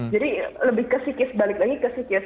jadi lebih ke sikis balik lagi ke sikis